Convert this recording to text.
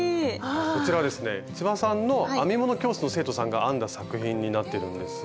こちらはですね千葉さんの編み物教室の生徒さんが編んだ作品になってるんですが。